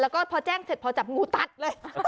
แล้วก็พอแจ้งเสร็จพอจับงูตัดเลย